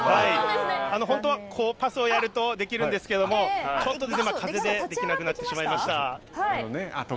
本当はパスをやるとできるんですけれども、ちょっと今、風で、できなくなってしまいました。